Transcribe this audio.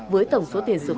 với tổng số tiền sử dụng